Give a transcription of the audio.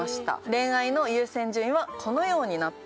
恋愛の優先順位はこのようになっております。